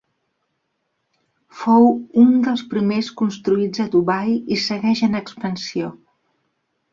Fou un dels primers construïts a Dubai i segueix en expansió.